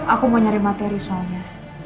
aku mau nyari materi soalnya